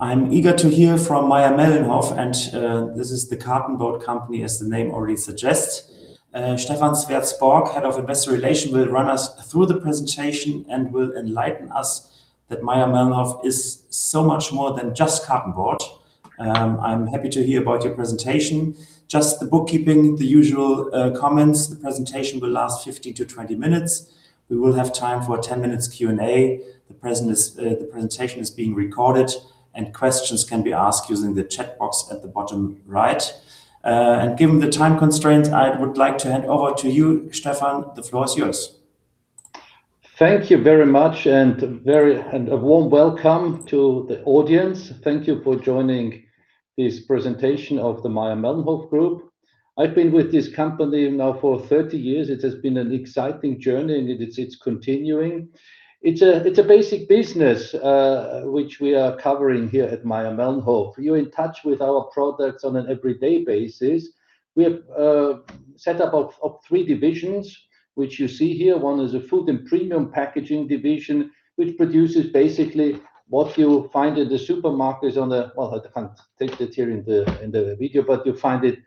I'm eager to hear from Mayr-Melnhof, and this is the cartonboard company, as the name already suggests. Stephan Sweerts-Sporck, Head of Investor Relations, will run us through the presentation and will enlighten us that Mayr-Melnhof is so much more than just cartonboard. I'm happy to hear about your presentation. Just the bookkeeping, the usual comments. The presentation will last 15-20 minutes. We will have time for a 10 minutes Q&A. The presentation is being recorded, and questions can be asked using the chat box at the bottom right. Given the time constraint, I would like to hand over to you, Stephan. The floor is yours. Thank you very much, and a warm welcome to the audience. Thank you for joining this presentation of the Mayr-Melnhof Group. I've been with this company now for 30 years. It has been an exciting journey, and it's continuing. It's a basic business, which we are covering here at Mayr-Melnhof. You're in touch with our products on an everyday basis. We have set up three divisions, which you see here. One is a food and premium packaging division, which produces basically what you find in the supermarkets. Well, I can't take that here in the video, but you find it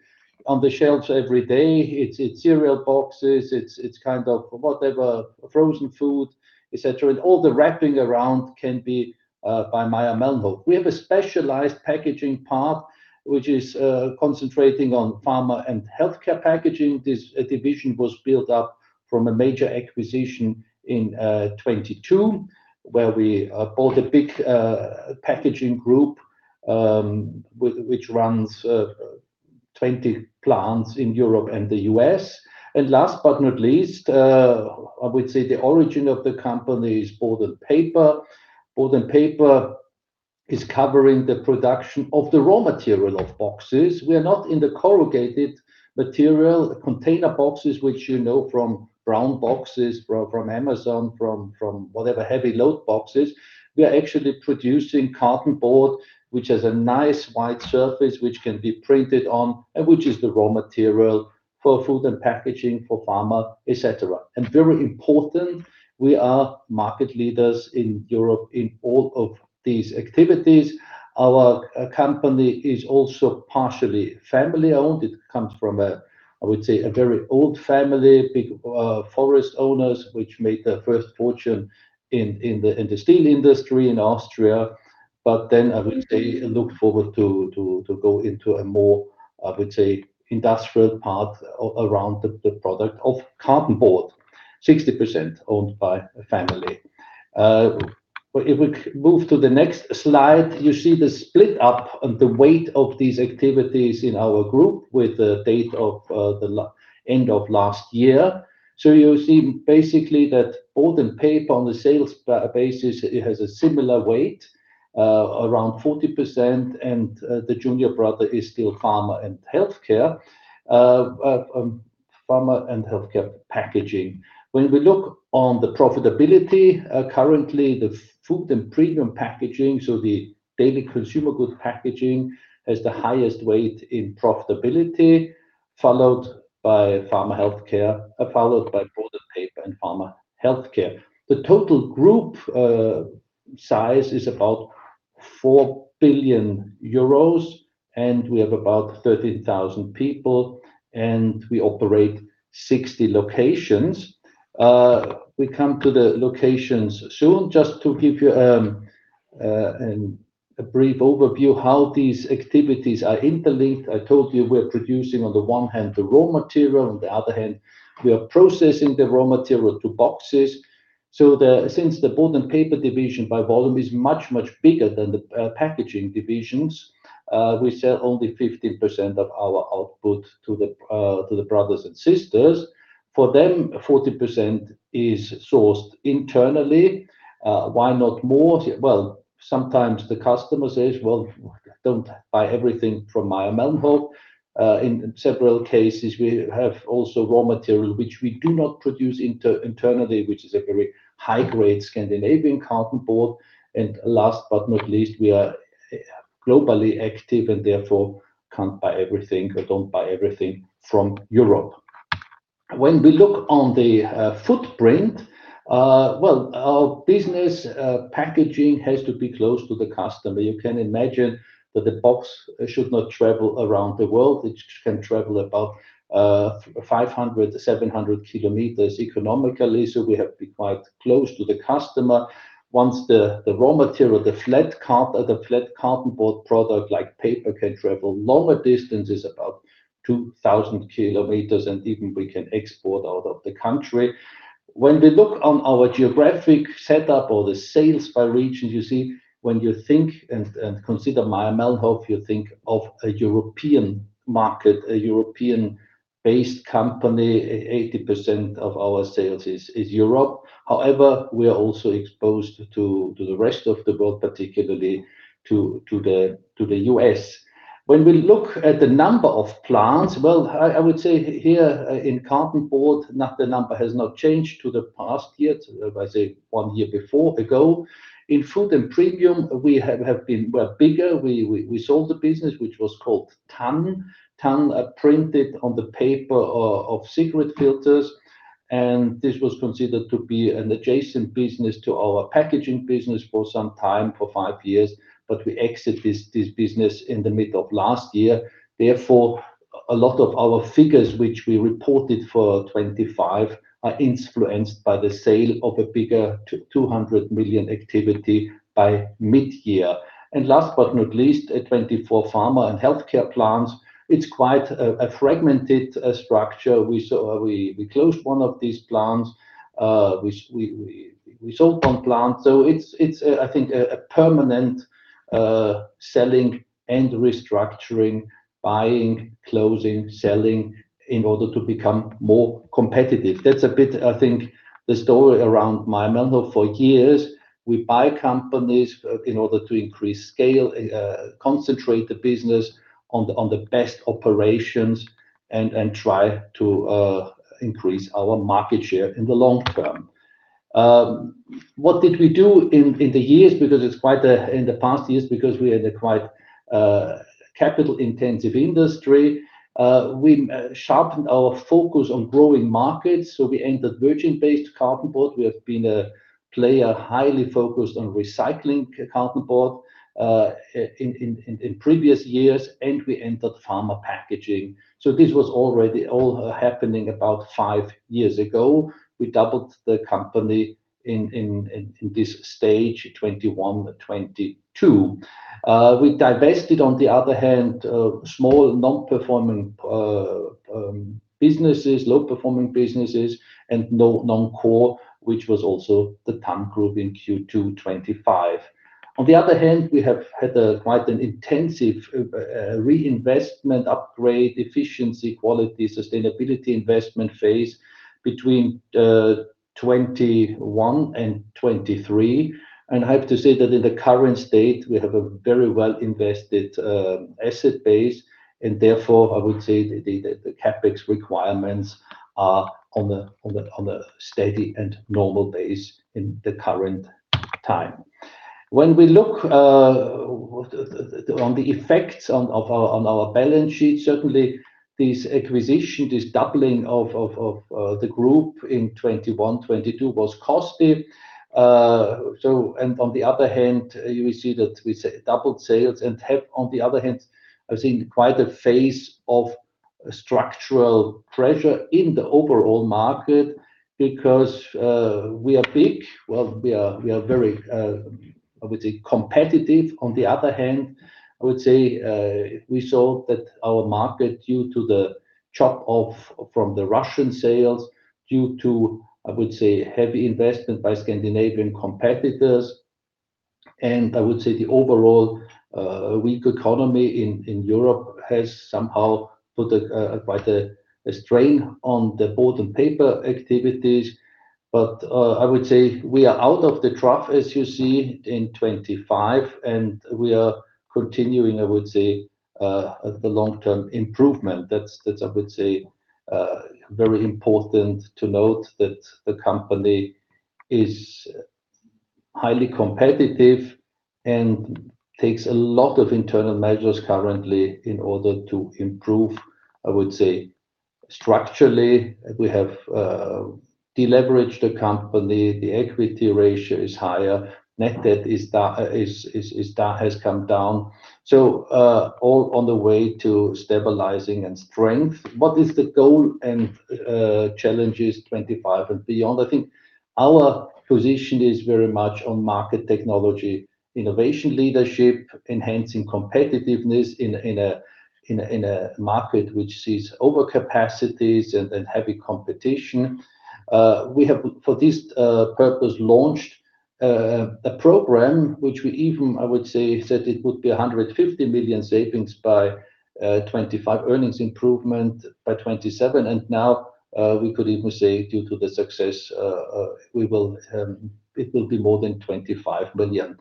on the shelves every day. It's cereal boxes. It's kind of whatever, frozen food, et cetera. All the wrapping around can be by Mayr-Melnhof. We have a specialized packaging part, which is concentrating on pharma and healthcare packaging. This division was built up from a major acquisition in 2022, where we bought a big packaging group, which runs 20 plants in Europe and the U.S. Last but not least, I would say the origin of the company is board and paper. Board and paper is covering the production of the raw material of boxes. We are not in the corrugated material container boxes, which you know from brown boxes, from Amazon, from whatever heavy load boxes. We are actually producing cartonboard, which has a nice wide surface, which can be printed on, and which is the raw material for food and packaging for pharma, et cetera. Very important, we are market leaders in Europe in all of these activities. Our company is also partially family-owned. It comes from a, I would say, a very old family, big forest owners, which made their first fortune in the steel industry in Austria. I would say, look forward to go into a more, I would say, industrial part around the product of cartonboard, 60% owned by family. If we move to the next slide, you see the split up and the weight of these activities in our group with the date of the end of last year. You see basically that Board & Paper on the sales basis, it has a similar weight, around 40%, and the junior brother is still Pharma and Healthcare, Pharma and Healthcare Packaging. When we look on the profitability, currently, the Food & Premium Packaging, so the daily consumer goods packaging, has the highest weight in profitability, followed by Pharma Healthcare, followed by Board and Paper and Pharma Healthcare. The total group size is about 4 billion euros, and we have about 13,000 people, and we operate 60 locations. We come to the locations soon, just to give you a brief overview how these activities are interlinked. I told you we're producing, on the one hand, the raw material, on the other hand, we are processing the raw material to boxes. Since the board and paper division by volume is much, much bigger than the packaging divisions, we sell only 50% of our output to the brothers and sisters. For them, 40% is sourced internally. Why not more? Well, sometimes the customer says, "Well, don't buy everything from Mayr-Melnhof." In several cases, we have also raw material which we do not produce internally, which is a very high-grade Scandinavian cartonboard. Last but not least, we are globally active and therefore can't buy everything or don't buy everything from Europe. When we look on the footprint, well, our business, packaging, has to be close to the customer. You can imagine that the box should not travel around the world. It can travel about 500 km-700 km economically. We have to be quite close to the customer. Once the raw material, the flat cartonboard product like paper can travel longer distances, about 2,000 km, and even we can export out of the country. When we look on our geographic setup or the sales by region, you see when you think and consider Mayr-Melnhof, you think of a European market, a European-based company. 80% of our sales is Europe. However, we are also exposed to the rest of the world, particularly to the U.S. When we look at the number of plants, well, I would say here in cartonboard, the number has not changed from the past year. In Food & Premium, we have been bigger. We sold the business, which was called Tann. Tann produced tipping paper for cigarette filters, and this was considered to be an adjacent business to our packaging business for some time, for five years. We exited this business in the middle of last year. Therefore, a lot of our figures which we reported for 2025 are influenced by the sale of a big 200 million activity by mid-year. Last but not least, at 2024 Pharma and Healthcare plants, it's quite a fragmented structure. We closed one of these plants, we sold one plant. It's, I think, a permanent selling and restructuring, buying, closing, selling in order to become more competitive. That's a bit, I think, the story around Mayr-Melnhof for years. We buy companies in order to increase scale, concentrate the business on the best operations, and try to increase our market share in the long term. What did we do in the years? Because in the past years, we had a quite capital-intensive industry. We sharpened our focus on growing markets, so we entered virgin-based cartonboard. We have been a player highly focused on recycling cartonboard in previous years, and we entered pharma packaging. This was already all happening about five years ago. We doubled the company in this stage 2021, 2022. We divested, on the other hand, small non-performing businesses, low-performing businesses and non-core, which was also the Tann Group in Q2 2025. On the other hand, we have had quite an intensive reinvestment, upgrade, efficiency, quality, sustainability investment phase between 2021 and 2023. I have to say that in the current state, we have a very well-invested asset base and therefore I would say the CapEx requirements are on a steady and normal base in the current time. When we look on the effects on our balance sheet, certainly this acquisition, this doubling of the group in 2021, 2022 was costly. On the other hand, you will see that we doubled sales and have, on the other hand, I think quite a phase of structural pressure in the overall market because we are big. Well, we are very, I would say, competitive. On the other hand, I would say, we saw that our market, due to the cut-off from the Russian sales, due to, I would say, heavy investment by Scandinavian competitors and, I would say, the overall weak economy in Europe has somehow put quite a strain on the Board & Paper activities. I would say we are out of the trough, as you see in 2025, and we are continuing, I would say, the long-term improvement. That's, I would say, very important to note that the company is highly competitive and takes a lot of internal measures currently in order to improve. I would say structurally, we have deleveraged the company. The equity ratio is higher. Net debt has come down. All on the way to stabilizing and strength. What is the goal and challenges 2025 and beyond? I think our position is very much on market technology, innovation leadership, enhancing competitiveness in a market which sees overcapacities and heavy competition. We have, for this purpose, launched a program which we even, I would say, said it would be 150 million savings by 2025, earnings improvement by 2027, and now we could even say due to the success, it will be more than 25 million.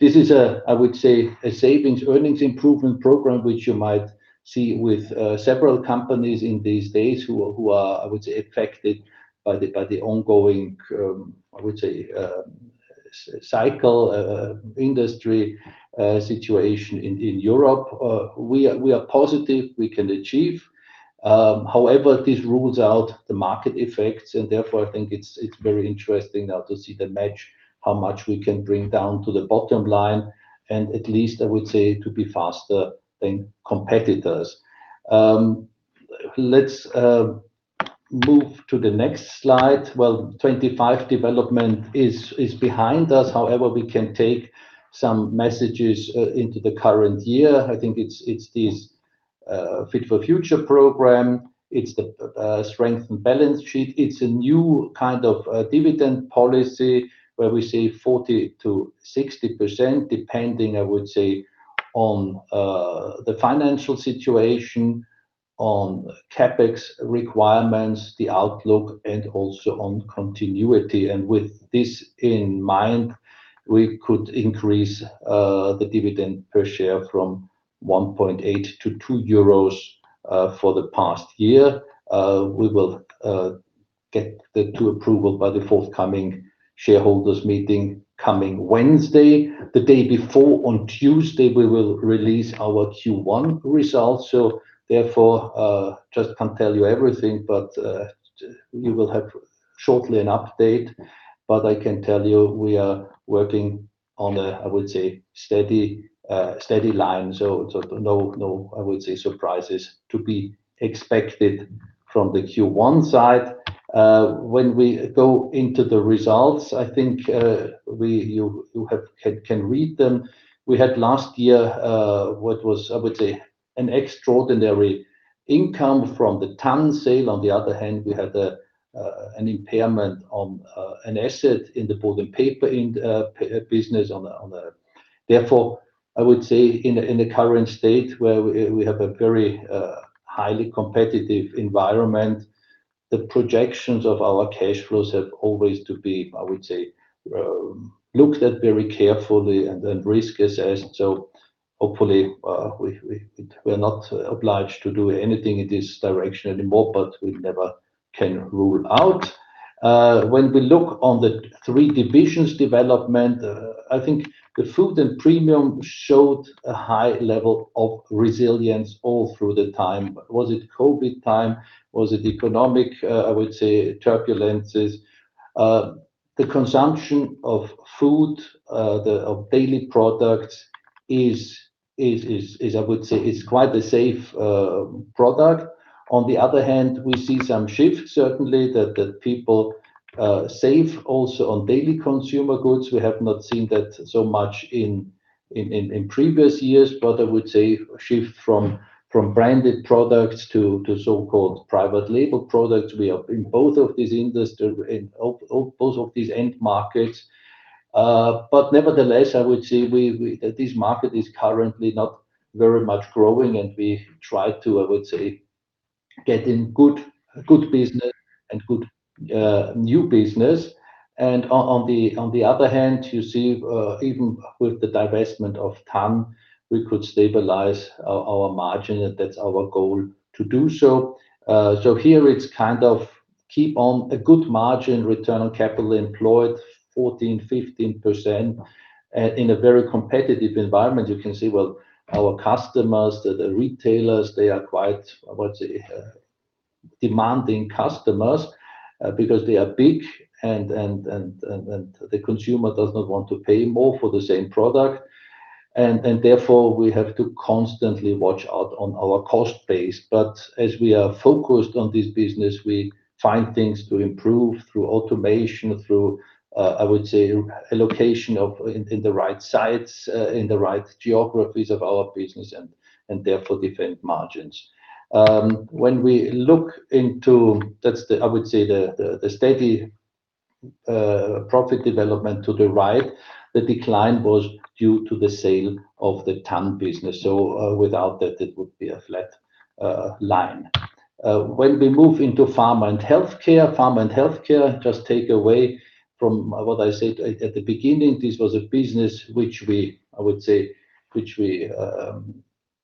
This is, I would say, a savings earnings improvement program, which you might see with several companies in these days who are, I would say, affected by the ongoing, I would say, cyclical industry situation in Europe. We are positive we can achieve. However, this rules out the market effects and therefore I think it's very interesting now to see the math, how much we can bring down to the bottom line, and at least, I would say, to be faster than competitors. Let's move to the next slide. Well, 2024 development is behind us. However, we can take some messages into the current year. I think it's this Fit-For-Future program. It's the strength of the balance sheet. It's a new kind of dividend policy where we say 40%-60%, depending, I would say, on the financial situation, on CapEx requirements, the outlook, and also on continuity. With this in mind, we could increase the dividend per share from 1.8-2 euros for the past year. We will get approval by the forthcoming shareholders meeting coming Wednesday. The day before, on Tuesday, we will release our Q1 results. Therefore, just can't tell you everything, but you will have shortly an update, but I can tell you we are working on a, I would say, steady line. No, I would say, surprises to be expected from the Q1 side. When we go into the results, I think you can read them. We had last year what was, I would say, an extraordinary income from the Tann sale. On the other hand, we had an impairment on an asset in MM Board & Paper. Therefore, I would say in the current state where we have a very highly competitive environment, the projections of our cash flows have always to be, I would say, looked at very carefully and risk assessed. Hopefully, we're not obliged to do anything in this direction anymore, but we never can rule out. When we look on the three divisions' development, I think the Food & Premium showed a high level of resilience all through the time. Was it COVID time? Was it economic, I would say, turbulences? The consumption of food, of daily products is, I would say, quite a safe product. On the other hand, we see some shifts certainly that people save also on daily consumer goods. We have not seen that so much in previous years, but I would say a shift from branded products to so-called private label products. We are in both of these end markets. Nevertheless, I would say, this market is currently not very much growing, and we try to, I would say, get in good business and good new business. On the other hand, you see, even with the divestment of TAN, we could stabilize our margin and that's our goal to do so. Here it's kind of keep on a good margin return on capital employed 14%-15% in a very competitive environment. You can see, well, our customers, the retailers, they are quite, I would say, demanding customers because they are big and the consumer does not want to pay more for the same product. Therefore, we have to constantly watch out on our cost base. As we are focused on this business, we find things to improve through automation, through, I would say, allocation in the right sites, in the right geographies of our business and therefore different margins. When we look into, that's the, I would say, the steady profit development to the right, the decline was due to the sale of the Tann business. Without that, it would be a flat line. When we move into Pharma and Healthcare, Pharma and Healthcare just take away from what I said at the beginning, this was a business which we, I would say,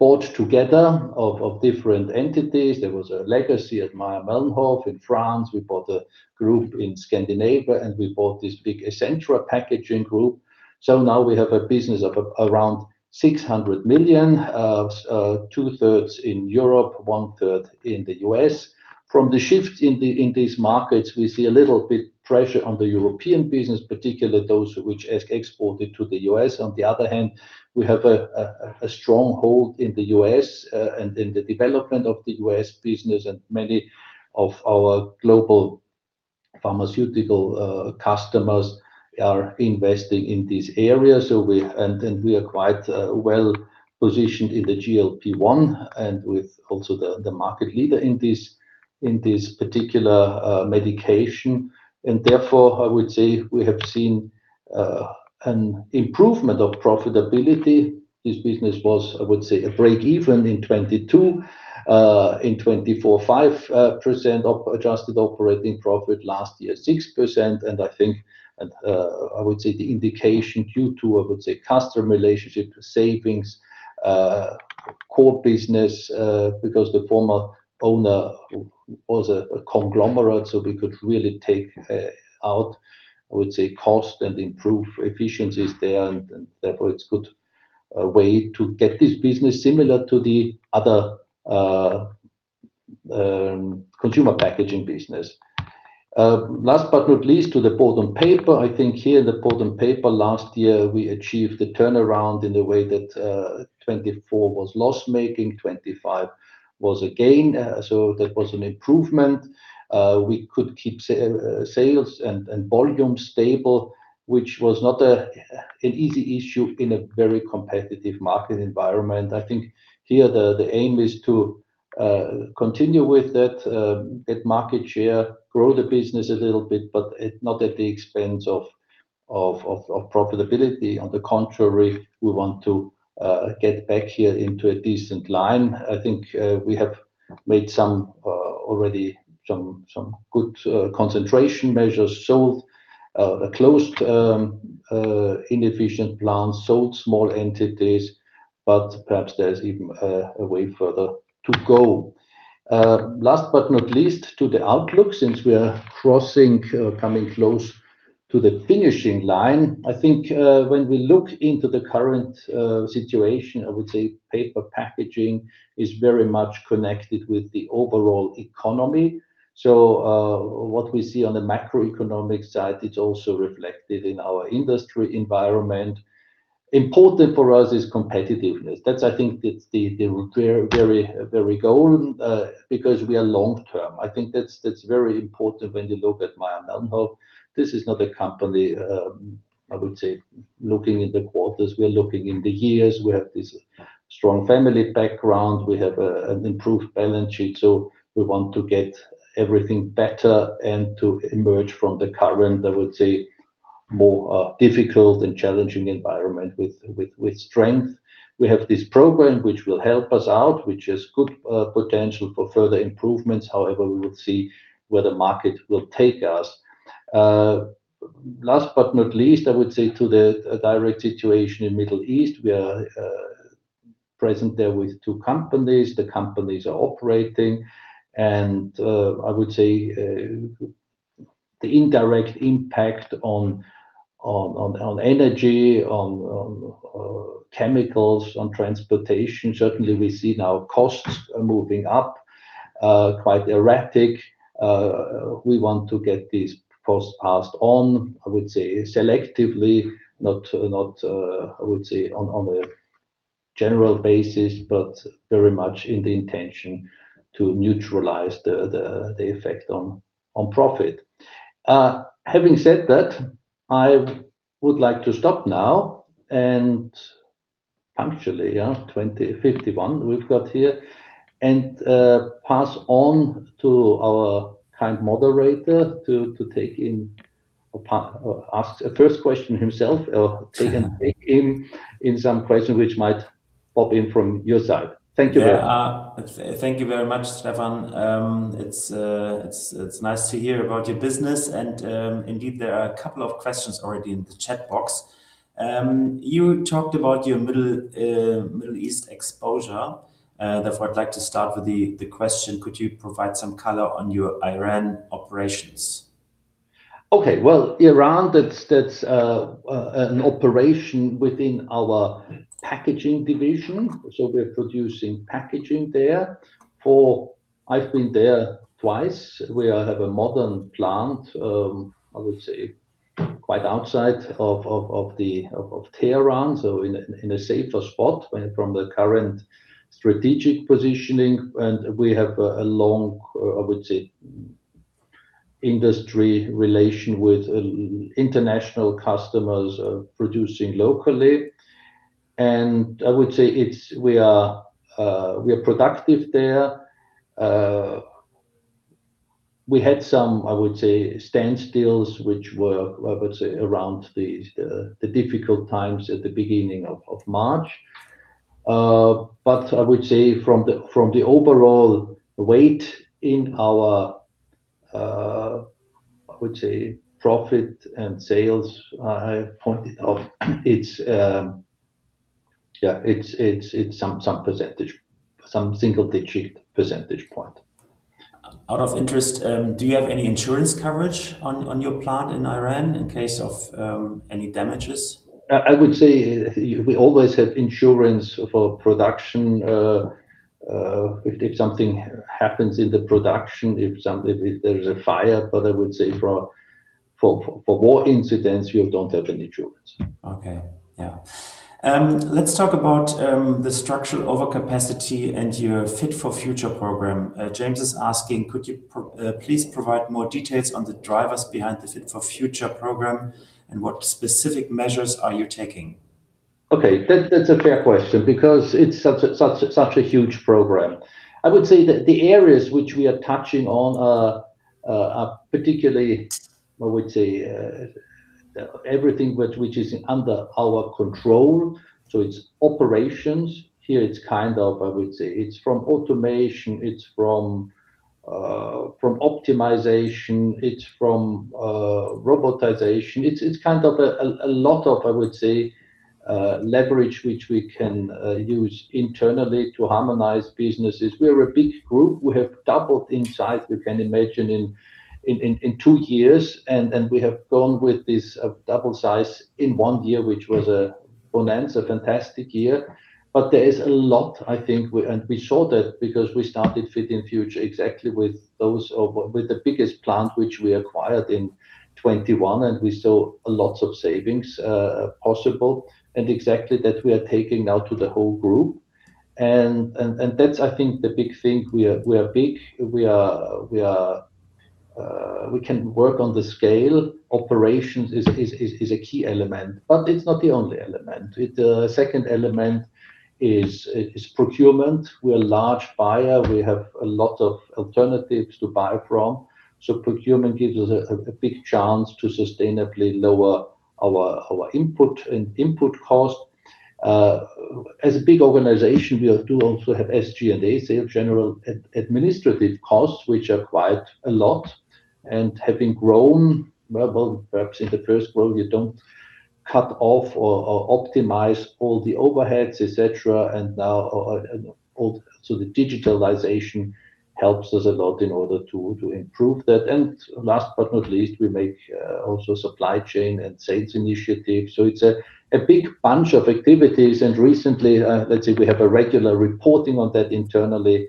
bought together of different entities. There was a legacy at Mayr-Melnhof in France. We bought a group in Scandinavia, and we bought this big Essentra Packaging group. Now we have a business of around 600 million, two-thirds in Europe, one-third in the U.S. From the shift in these markets, we see a little bit pressure on the European business, particularly those which exported to the U.S. On the other hand, we have a stronghold in the U.S. and in the development of the U.S. business, and many of our global pharmaceutical customers are investing in this area. We are quite well-positioned in the GLP-1 and with also the market leader in this particular medication. Therefore, I would say we have seen an improvement of profitability. This business was, I would say, a break-even in 2022. In 2024, 5% of adjusted operating profit. Last year, 6%. I think, I would say the indication due to, I would say, customer relationship savings, core business, because the former owner was a conglomerate, so we could really take out, I would say, cost and improve efficiencies there. Therefore, it's good way to get this business similar to the other consumer packaging business. Last but not least, to the Board and Paper, I think here the Board and Paper last year, we achieved the turnaround in a way that 2024 was loss-making, 2025 was a gain. That was an improvement. We could keep sales and volume stable, which was not an easy issue in a very competitive market environment. I think here the aim is to continue with that, get market share, grow the business a little bit, but not at the expense of profitability. On the contrary, we want to get back here into a decent line. I think we have made some already some good concentration measures, sold a closed inefficient plant, sold small entities, but perhaps there's even a way further to go. Last but not least, to the outlook, since we are coming close to the finishing line. I think when we look into the current situation, I would say paper packaging is very much connected with the overall economy. What we see on the macroeconomic side is also reflected in our industry environment. Important for us is competitiveness. That's, I think, the real very goal, because we are long-term. I think that's very important when you look at Mayr-Melnhof. This is not a company, I would say, looking in the quarters, we're looking in the years. We have this strong family background. We have an improved balance sheet, so we want to get everything better and to emerge from the current, I would say, more difficult and challenging environment with strength. We have this program which will help us out, which has good potential for further improvements. However, we will see where the market will take us. Last but not least, I would say to the direct situation in Middle East, we are present there with two companies. The companies are operating and I would say, the indirect impact on energy, on chemicals, on transportation, certainly we see now costs are moving up, quite erratic. We want to get these costs passed on, I would say selectively, not I would say, on a general basis, but very much in the intention to neutralize the effect on profit. Having said that, I would like to stop now and, punctually, yeah, 20:51 P.M. we've got here, and pass on to our kind moderator to take in or ask a first question himself or Yeah take in some question which might pop in from your side. Thank you very much. Yeah. Thank you very much, Stephan. It's nice to hear about your business and, indeed, there are a couple of questions already in the chat box. You talked about your Middle East exposure, therefore I'd like to start with the question, could you provide some color on your Iran operations? Okay. Well, Iran, that's an operation within our packaging division. We're producing packaging there for. I've been there twice, where I have a modern plant, I would say quite outside of Tehran, so in a safer spot from the current strategic positioning. We have a long, I would say, industry relation with international customers producing locally. I would say we are productive there. We had some, I would say, standstills, which were, I would say around the difficult times at the beginning of March. I would say from the overall weight in our, I would say, profit and sales point of. Yeah. It's some percentage, some single-digit percentage point. Out of interest, do you have any insurance coverage on your plant in Iran in case of any damages? I would say we always have insurance for production, if something happens in the production, if there is a fire. I would say for war incidents, we don't have any insurance. Okay. Yeah. Let's talk about the structural overcapacity and your Fit-For-Future program. James is asking, could you please provide more details on the drivers behind the Fit-For-Future program and what specific measures are you taking? Okay. That's a fair question because it's such a huge program. I would say that the areas which we are touching on are particularly, I would say, everything which is under our control. It's operations. Here, it's kind of, I would say it's from automation, it's from optimization, it's from robotization. It's kind of a lot of, I would say, leverage, which we can use internally to harmonize businesses. We're a big group. We have doubled in size, you can imagine in two years. We have gone with this double size in one year, which was a bonanza, fantastic year. There is a lot, I think, and we saw that because we started Fit and Future exactly with the biggest plant, which we acquired in 2021, and we saw lots of savings possible. Exactly that we are taking now to the whole group. That's, I think, the big thing. We are big. We can work on the scale. Operations is a key element, but it's not the only element. The second element is procurement. We're a large buyer. We have a lot of alternatives to buy from. Procurement gives us a big chance to sustainably lower our input and input cost. As a big organization, we do also have SG&A, sales general administrative costs, which are quite a lot and have been grown. Well, perhaps in the first world, you don't cut off or optimize all the overheads, et cetera, and now all the digitalization helps us a lot in order to improve that. Last but not least, we make also supply chain and sales initiatives. It's a big bunch of activities. Recently, let's say we have a regular reporting on that internally,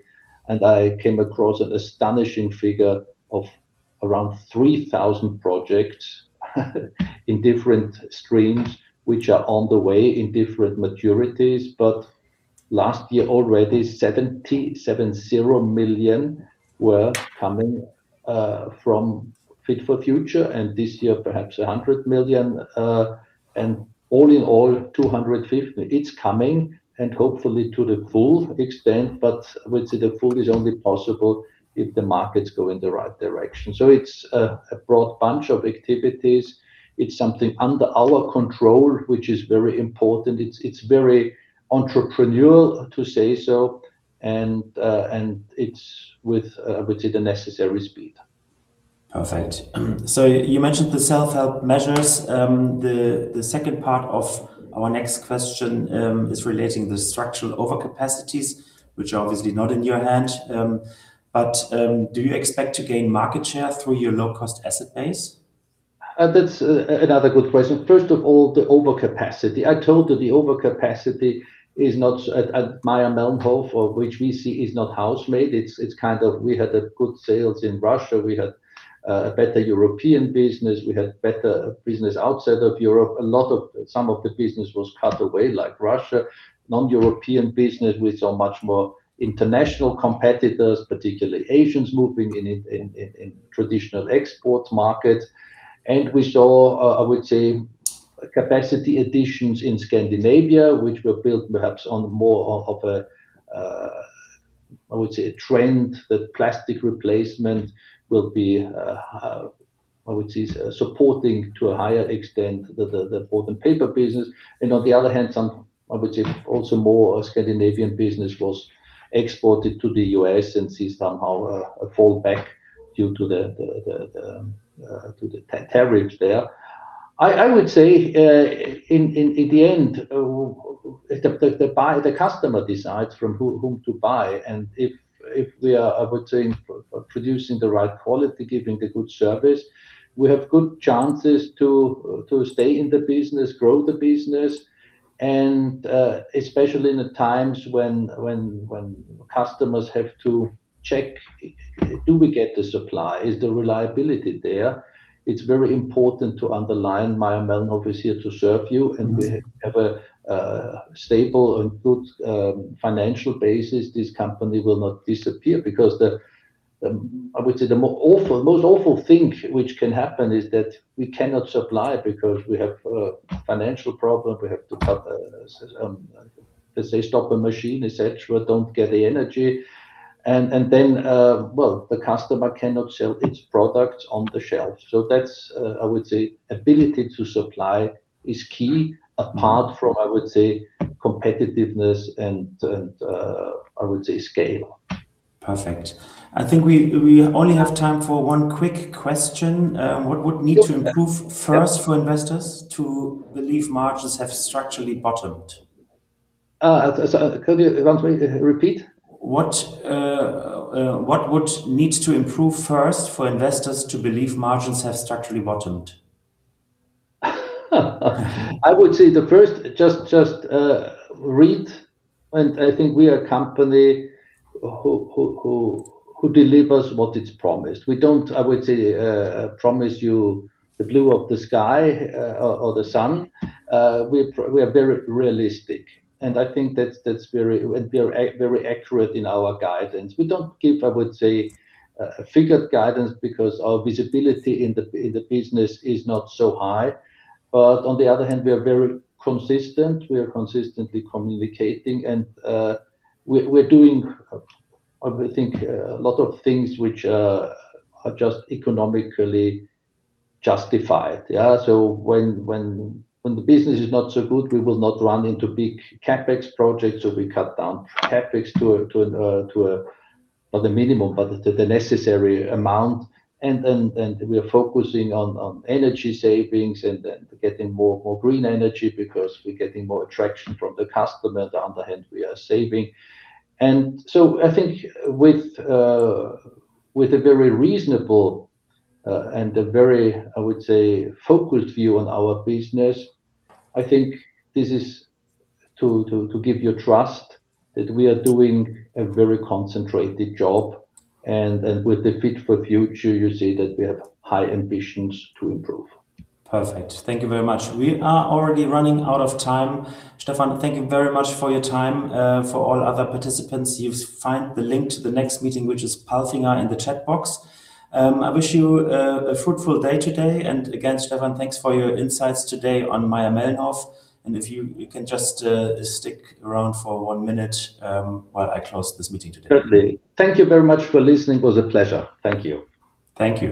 and I came across an astonishing figure of around 3,000 projects in different streams, which are on the way in different maturities. Last year, already 70 million were coming from Fit-For-Future, and this year perhaps 100 million. All in all, 250 million. It's coming and hopefully to the full extent, but I would say the full is only possible if the markets go in the right direction. It's a broad bunch of activities. It's something under our control, which is very important. It's very entrepreneurial to say so, and it's with, I would say, the necessary speed. Perfect. So, you mentioned the self-help measures. The second part of our next question is relating to the structural overcapacities, which are obviously not in your hand. Do you expect to gain market share through your low-cost asset base? That's another good question. First of all, the overcapacity. I told you the overcapacity is not at Mayr-Melnhof or which we see is not home-made. It's kind of we had a good sales in Russia, we had a better European business, we had better business outside of Europe. A lot of some of the business was cut away, like Russia, non-European business, we saw much more international competitors, particularly Asians moving in it, in traditional export markets. We saw, I would say, capacity additions in Scandinavia, which were built perhaps on more of a, I would say, a trend that plastic replacement will be, I would say, supporting to a higher extent the board and paper business. On the other hand, some, I would say, also more Scandinavian business was exported to the U.S. and saw somehow a fallback due to the tariff there. I would say, in the end, the buyer, the customer decides from whom to buy. If we are, I would say, producing the right quality, giving a good service, we have good chances to stay in the business, grow the business, and especially in the times when customers have to check, "Do we get the supply? Is the reliability there?" It's very important to underline Mayr-Melnhof is here to serve you, and we have a stable and good financial basis. This company will not disappear because the, I would say, the most awful thing which can happen is that we cannot supply because we have a financial problem. We have to, let's say, stop a machine, et cetera, don't get the energy. Then, well, the customer cannot sell its products on the shelf. That's, I would say, ability to supply is key apart from, I would say, competitiveness and, I would say, scale. Perfect. I think we only have time for one quick question. What would need to improve first for investors to believe margins have structurally bottomed? Sorry. Could you once repeat? What would need to improve first for investors to believe margins have structurally bottomed? I would say the first, just read, and I think we are a company who delivers what it's promised. We don't, I would say, promise you the blue of the sky or the sun. We are very realistic, and I think that's very. We are very accurate in our guidance. We don't give, I would say, a figured guidance because our visibility in the business is not so high. On the other hand, we are very consistent. We are consistently communicating, and we're doing, I would think, a lot of things which are just economically justified, yeah? When the business is not so good, we will not run into big CapEx projects, so we cut down CapEx to a, not the minimum, but to the necessary amount. We are focusing on energy savings and then getting more and more green energy because we're getting more attraction from the customer. On the other hand, we are saving. I think with a very reasonable and a very, I would say, focused view on our business, I think this is to give you trust that we are doing a very concentrated job, and with the Fit-For-Future, you see that we have high ambitions to improve. Perfect. Thank you very much. We are already running out of time. Stephan, thank you very much for your time. For all other participants, you'll find the link to the next meeting, which is Palfinger, in the chat box. I wish you a fruitful day today. Again, Stephan, thanks for your insights today on Mayr-Melnhof, and if you can just stick around for one minute while I close this meeting today. Certainly. Thank you very much for listening. It was a pleasure. Thank you. Thank you.